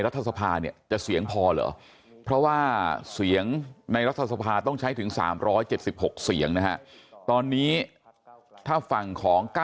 สภาเนี่ยจะเสียงพอเหรอเพราะว่าเสียงในรัฐสภาต้องใช้ถึง๓๗๖เสียงนะฮะตอนนี้ถ้าฝั่งของ๙